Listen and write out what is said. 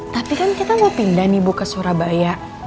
tapi kan kita mau pindahin ibu ke surabaya